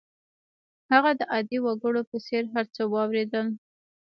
هغه د عادي وګړو په څېر هر څه واورېدل